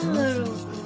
これ。